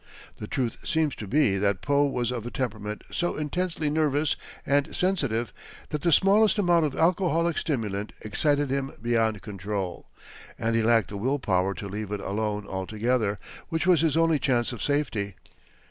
The truth seems to be that Poe was of a temperament so intensely nervous and sensitive that the smallest amount of alcoholic stimulant excited him beyond control, and he lacked the will power to leave it alone altogether, which was his only chance of safety.